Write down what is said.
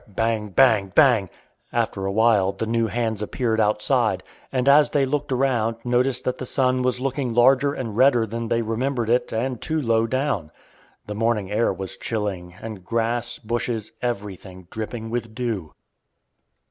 bang, bang, bang! After a while the new hands appeared outside, and as they looked around noticed that the sun was looking larger and redder than they remembered it and too low down. The morning air was chilling, and grass, bushes, everything, dripping with dew.